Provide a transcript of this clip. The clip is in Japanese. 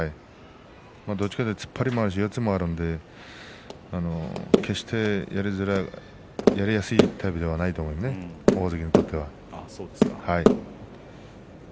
どちらかというと突っ張りもあるし、四つもあるので決してやりやすいタイプではないと思います大関にとっては。